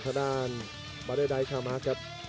กันต่อแพทย์จินดอร์